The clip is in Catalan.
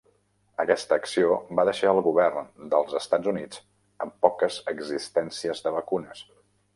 Aquesta acció va deixar el govern dels Estats Units amb poques existències de vacunes.